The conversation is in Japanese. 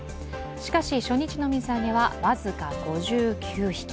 しかし初日の水揚げは僅か５９匹。